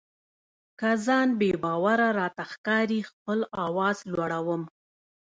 که ځان بې باوره راته ښکاري خپل آواز لوړوم.